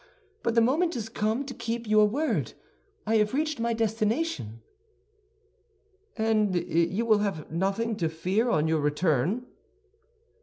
But the moment is come to keep your word; I have reached my destination." "And you will have nothing to fear on your return?"